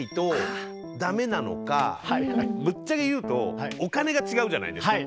でもぶっちゃけ言うとお金が違うじゃないですか。